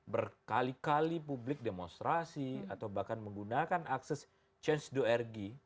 berkali kali publik demonstrasi atau bahkan menggunakan akses change doergi